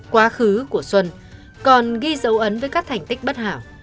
quá khứ của xuân còn ghi dấu ấn với các thành tích bất hảo